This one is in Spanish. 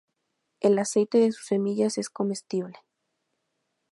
El aceite de sus semillas es comestible.